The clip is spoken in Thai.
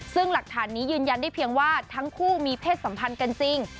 ซึ่งหลักฐานนี้ยืนยันได้เพียงว่าทั้งคู่มีเพศสัมพันธ์กันจริง